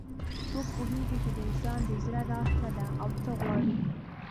څوک پوهیږي چې د انسان د زړه راز څه ده او څه غواړي